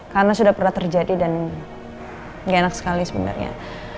karena sudah pernah terjadi dan nggak enak sekali sebenarnya